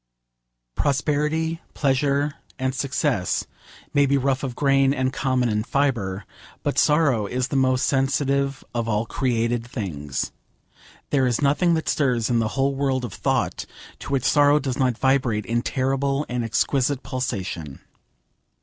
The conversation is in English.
... Prosperity, pleasure and success, may be rough of grain and common in fibre, but sorrow is the most sensitive of all created things. There is nothing that stirs in the whole world of thought to which sorrow does not vibrate in terrible and exquisite pulsation.